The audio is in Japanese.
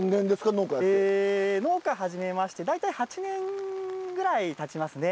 農家やって。え農家始めまして大体８年ぐらいたちますね。